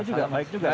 ini juga baik juga ya